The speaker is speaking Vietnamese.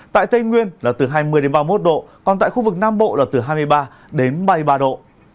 tại tây nguyên là từ hai mươi ba mươi một độ còn tại khu vực nam bộ là từ hai mươi ba đến ba mươi ba độ